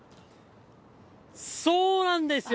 そうなんですよ。